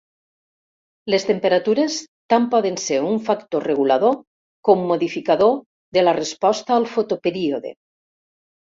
Les temperatures tant poden ser un factor regulador com modificador de la resposta al fotoperíode.